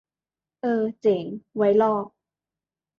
เออเจ๋ง ไว้ลอก